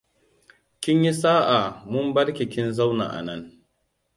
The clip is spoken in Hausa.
Kin yi sa'a mun barki kin zauna anan.